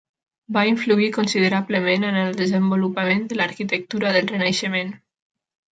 Va influir considerablement en el desenvolupament de l'arquitectura del Renaixement.